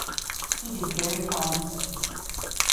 He did very fine service.